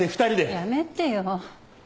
やめてよ。